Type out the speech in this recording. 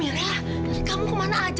saya sudah ingat